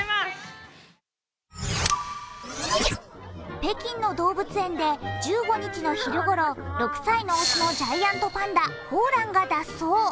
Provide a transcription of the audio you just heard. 北京の動物園で１５日の昼ごろ６歳の雄のジャイアントパンダ、萌蘭が脱走。